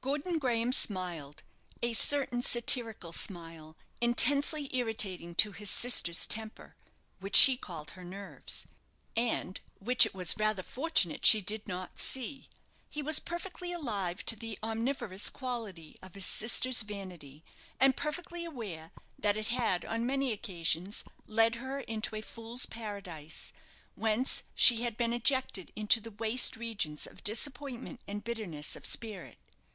Gordon Graham smiled, a certain satirical smile, intensely irritating to his sister's temper (which she called her nerves), and which it was rather fortunate she did not see. He was perfectly alive to the omnivorous quality of his sister's vanity, and perfectly aware that it had on many occasions led her into a fool's paradise, whence she had been ejected into the waste regions of disappointment and bitterness of spirit.